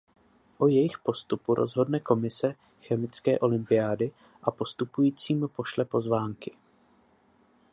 O jejich postupu rozhodne komise chemické olympiády a postupujícím pošle pozvánky.